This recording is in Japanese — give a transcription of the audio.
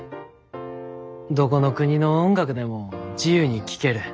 どこの国の音楽でも自由に聴ける。